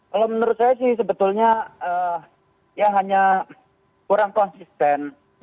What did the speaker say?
kalau menurut saya sih sebetulnya ya hanya kurang konsisten